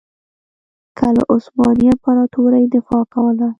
که له عثماني امپراطورۍ دفاع کوله.